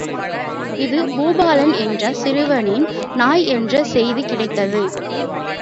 இது பூபாலன் என்ற சிறுவனின் நாய் என்ற செய்தி கிடைத்தது.